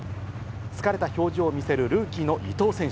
疲れた表情を見せるルーキーの伊藤選手。